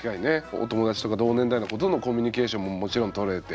お友達とか同年代の子とのコミュニケーションももちろんとれて。